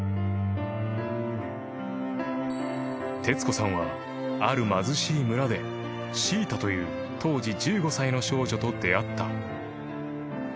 ［徹子さんはある貧しい村でシータという当時１５歳の少女と出会った］